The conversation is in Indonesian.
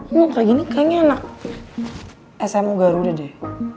kayak gini kayaknya anak smu garuda deh